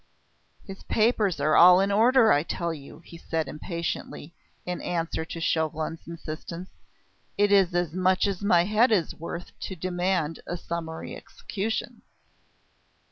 "His papers are all in order, I tell you," he said impatiently, in answer to Chauvelin's insistence. "It is as much as my head is worth to demand a summary execution."